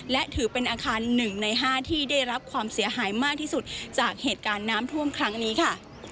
และถือเป็นอาคาร๑ใน๕ที่ได้รับความเสียหายมากที่สุดจากเหตุการณ์น้ำท่วมครั้งนี้ค่ะ